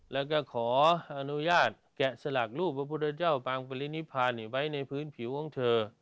แล้วก็ขออนุญาตแกะสลักรูปพระพุทธเจ้าปางปรินิพาไว้ในพื้นผิวของเธอ